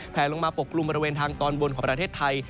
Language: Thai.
ลงมาปกกลุ่มบริเวณทางตอนบนของประเทศไทย